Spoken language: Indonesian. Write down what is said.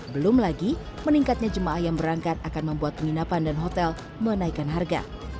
belum lagi meningkatnya jemaah yang berangkat akan membuat penginapan dan hotel menaikkan harga